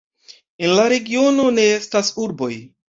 En la regiono ne estas urboj.